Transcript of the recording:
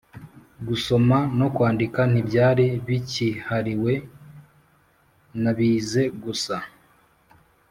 gusoma no kwandika ntibyari bikihariwe nabize gusa